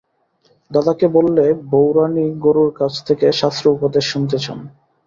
দাদাকে বললে, বউরানী গুরুর কাছ থেকে শাস্ত্র-উপদেশ শুনতে চান।